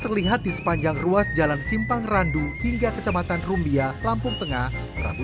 terlihat di sepanjang ruas jalan simpangrandu hingga kecamatan rumbia lampung tengah rambu